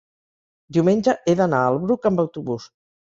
diumenge he d'anar al Bruc amb autobús.